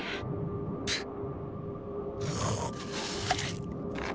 プッ！